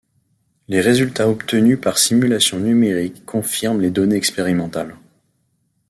Les résultats obtenus par simulations numériques confirment les données expérimentales.